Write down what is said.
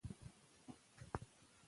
فرهنګ د جرګو او مشورو اهمیت څرګندوي.